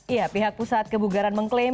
ya pihak pusat kebugaran mengklaim